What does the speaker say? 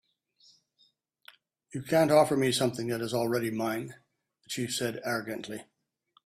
"You can't offer me something that is already mine," the chief said, arrogantly.